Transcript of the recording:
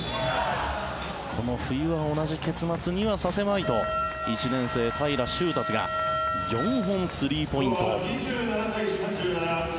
この冬は同じ結末にはさせまいと１年生、平良宗龍が４本スリーポイント。